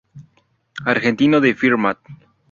Argentino de Firmat.